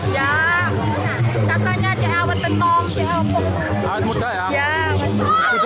ya katanya aja awet tenong awet muda ya